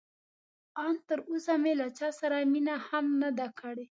ان تراوسه مې له چا سره مینه هم نه ده کړې.